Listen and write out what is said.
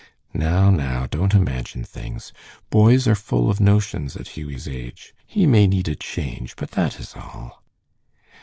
"Now, now, don't imagine things. Boys are full of notions at Hughie's age. He may need a change, but that is all."